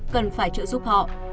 cần phải trợ giúp họ